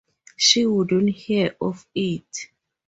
She wouldn't hear of it.